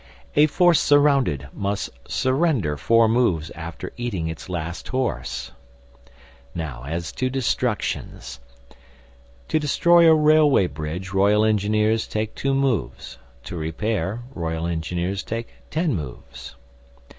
A force surrounded must surrender four moves after eating its last horse. Now as to Destructions: To destroy a railway bridge R.E. take two moves; to repair, R.E. take ten moves.